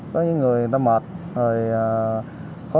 có những người người ta mệt khó thở